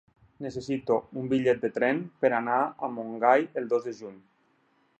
Necessito un bitllet de tren per anar a Montgai el dos de juny.